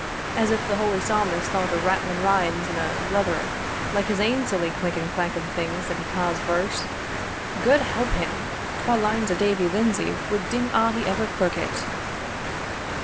as if the holy Psalmist thought o' rattling rhymes in a blether, like his ain silly clinkum clankum things that he ca's verse. Gude help him! twa lines o' Davie Lindsay would ding a' he ever clerkit."